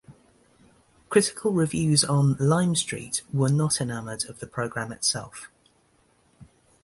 Critical reviews on "Lime Street" were not enamored of the program itself.